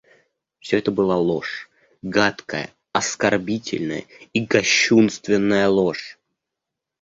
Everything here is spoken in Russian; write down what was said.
Всё это была ложь, гадкая, оскорбительная и кощунственная ложь.